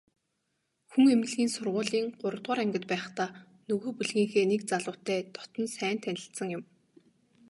Хүн эмнэлгийн сургуулийн гуравдугаар ангид байхдаа нөгөө бүлгийнхээ нэг залуутай дотно сайн танилцсан юм.